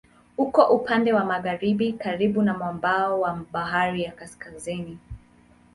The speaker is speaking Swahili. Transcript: Uko upande wa magharibi karibu na mwambao wa Bahari ya Kaskazini.